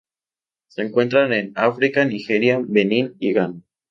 Se encuentran en África: Nigeria, Benín y Ghana.